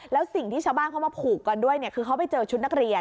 แล้วสิ่งที่ชาวบ้านเขามาผูกกันด้วยคือเขาไปเจอชุดนักเรียน